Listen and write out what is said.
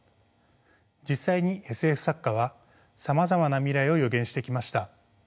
実際にＳＦ作家はさまざまな未来を予言してきました。